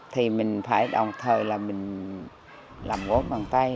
thì mình phải đồng thời là mình làm gốm bằng tay